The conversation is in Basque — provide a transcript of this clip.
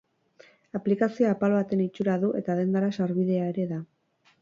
Aplikazioa apal baten itxura du eta dendara sarbidea ere da.